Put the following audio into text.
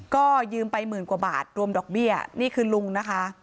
ก็ยืมไปหมื่นกว่าบาทรวมดอกเบี้ยนี่คือลุงนะคะ